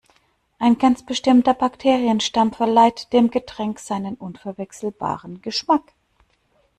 Ein ganz bestimmter Bakterienstamm verleiht dem Getränk seinen unverwechselbaren Geschmack.